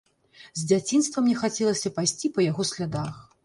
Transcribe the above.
З дзяцінства мне хацелася пайсці па яго слядах.